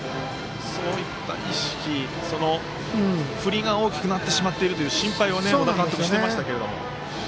そういった意識振りが大きくなってしまっているという心配を小田監督がしていましたけど。